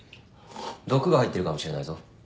毒が入ってるかもしれないぞ。